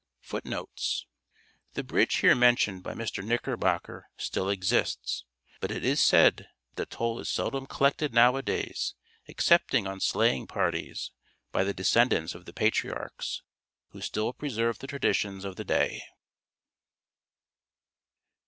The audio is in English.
FOOTNOTES: The bridge here mentioned by Mr. Knickerbocker still exists; but it is said that the toll is seldom collected nowadays excepting on sleighing parties, by the descendants of the patriarchs, who still preserve the traditions of the city.